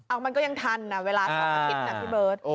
อ้าวมันก็ยังทันอ่ะเวลาสักอาทิตย์นะพี่เบิร์ท